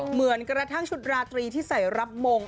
เหมือนกระทั่งชุดราตรีที่ใส่รับมง